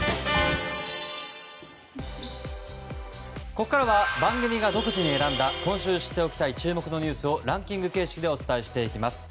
ここからは番組が独自に選んだ今週知っておきたい注目のニュースをランキング形式でお伝えします。